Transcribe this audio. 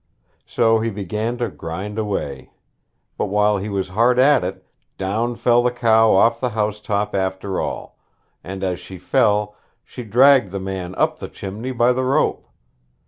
So he began to grind away; but while he was hard at it, down fell the cow off the house top after all, and as she fell, she dragged the man up the chimney by the rope.